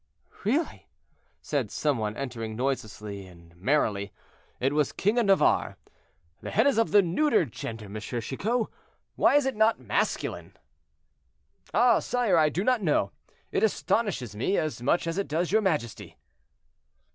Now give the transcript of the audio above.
"Really!" said some one, entering noiselessly and merrily. It was the king of Navarre. "The head is of the neuter gender, M. Chicot? Why is it not masculine?" "Ah, sire, I do not know; it astonishes me as much as it does your majesty."